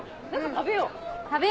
食べよう！